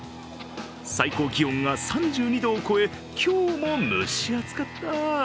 最高気温が３２度を超え、今日も蒸し暑かった。